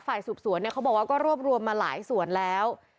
ฝ่ายสืบสวนเนี่ยเขาบอกว่าก็รวบรวมมาหลายส่วนแล้ว